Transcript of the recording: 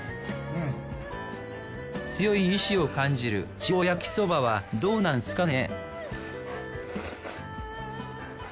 強い意志を感じる塩焼きそばはどうなんすかね？